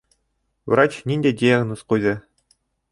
Врач ниндәй диагноз ҡуйҙы?